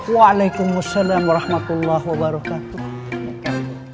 waalaikumsalam warahmatullahi wabarakatuh